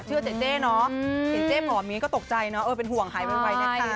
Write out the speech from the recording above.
เชื่อเจ๊เนาะเห็นเจ๊หมอบอย่างนี้ก็ตกใจเนาะเออเป็นห่วงหายไปนะคะ